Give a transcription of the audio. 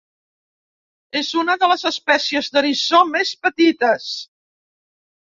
És una de les espècies d'eriçó més petites.